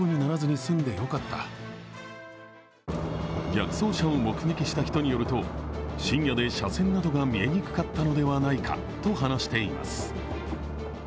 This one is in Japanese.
逆走車を目撃した人によると深夜で車線などが見えにくかったのではないかと話しています。